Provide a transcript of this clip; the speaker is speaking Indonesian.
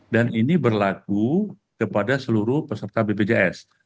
dan ini berlaku kepada seluruh peserta bpjs